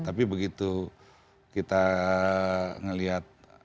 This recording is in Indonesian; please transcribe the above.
tapi begitu kita ngelihat